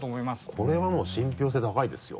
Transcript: これはもう信憑性高いですよ。